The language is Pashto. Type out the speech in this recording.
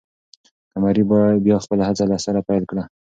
قمري بیا خپله هڅه له سره پیل کړه.